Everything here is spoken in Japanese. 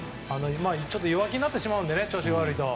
ちょっと弱気になってしまうので調子が悪いと。